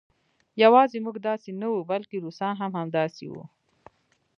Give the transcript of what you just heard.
یوازې موږ داسې نه وو بلکې روسان هم همداسې وو